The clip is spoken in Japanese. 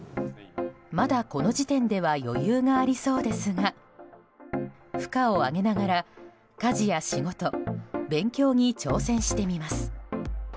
まだこの時点では余裕がありそうですが負荷を上げながら家事や仕事勉強に挑戦してみます。